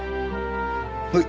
はい。